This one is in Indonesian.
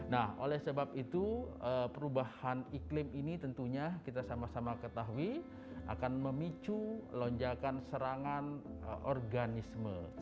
nah oleh sebab itu perubahan iklim ini tentunya kita sama sama ketahui akan memicu lonjakan serangan organisme